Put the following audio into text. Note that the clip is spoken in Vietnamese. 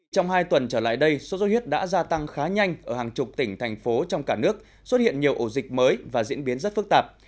trong hai tuần trở lại đây sốt xuất huyết đã gia tăng khá nhanh ở hàng chục tỉnh thành phố trong cả nước xuất hiện nhiều ổ dịch mới và diễn biến rất phức tạp